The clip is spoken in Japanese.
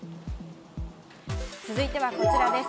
続いてはこちらです。